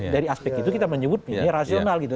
dari aspek itu kita menyebut ini rasional gitu